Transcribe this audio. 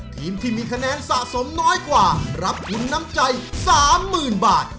ทีมที่มีคะแนนสะสมน้อยกว่ารับทุนน้ำใจ๓๐๐๐บาท